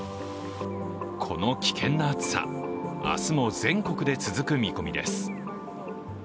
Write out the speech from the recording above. この危険な暑さ明日も全国で続く見込みです。